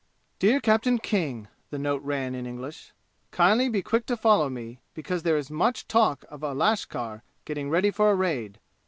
"Dear Captain King," the note ran, in English. "Kindly be quick to follow me, because there is much talk of a lashkar getting ready for a raid.